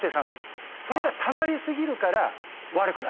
それがたまり過ぎるから悪くなるんです。